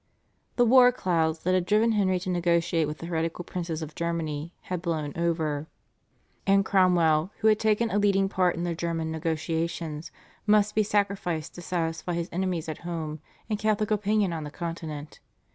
The war clouds, that had driven Henry to negotiate with the heretical princes of Germany, had blown over, and Cromwell, who had taken a leading part in the German negotiations, must be sacrificed to satisfy his enemies at home and Catholic opinion on the Continent.